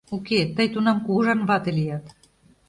Уке, тый тунам Кугыжан вате лият!